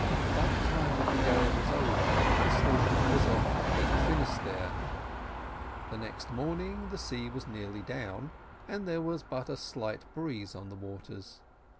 By the time that the gale was over, the sloop was off Cape Finisterre. The next morning the sea was nearly down, and there was but a slight breeze on the waters.